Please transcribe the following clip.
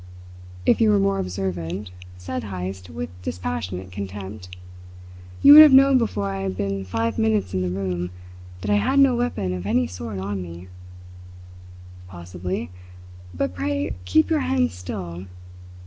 "If you were more observant," said Heyst with dispassionate contempt, "you would have known before I had been five minutes in the room that I had no weapon of any sort on me." "Possibly; but pray keep your hands still.